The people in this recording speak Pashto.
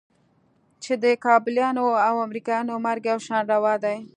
چې د کابليانو او امريکايانو مرګ يو شان روا دى.